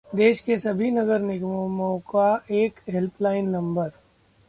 देश के सभी नगर निगमों का एक हेल्पलाइन नंबर